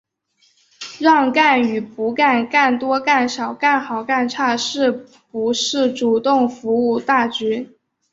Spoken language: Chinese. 让干与不干、干多干少、干好干差、是不是主动服务大局、